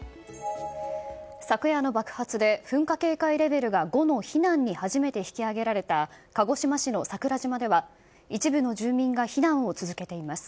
昨夜の爆発で噴火警戒レベルが５の避難に初めて引き上げられた鹿児島市の桜島では、一部の住民が避難を続けています。